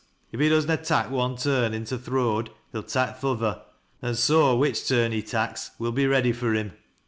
If he does na tak' one turn into th' road he'll tak' th' other, an' so which turn he tak's wo'll be ready fur him.